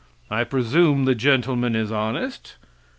I presume the gentleman is honest.